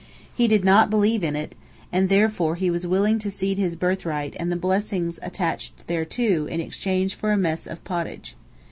He did not believe in it, and therefore he was willing to cede his birthright and the blessing attached thereto in exchange for a mess of pottage.